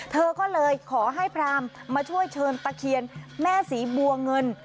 เธอก็เลยขอให้พรามมาช่วยเชิญตะเคียนแม่ศรีบัวเงิน